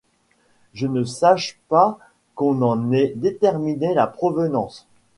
Je ne sache pas qu'on en ait déterminé la provenance.